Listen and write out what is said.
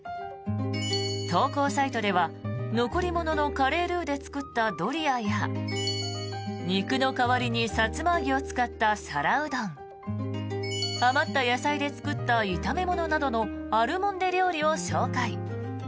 投稿サイトでは、残り物のカレールーで作ったドリアや肉の代わりにさつま揚げを使った皿うどん余った野菜で作った炒め物などのアルモンデ料理を紹介。